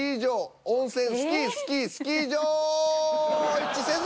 一致せず。